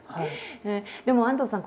でも安藤さん